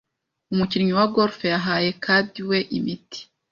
Umukinnyi wa golf yahaye kadi we imiti.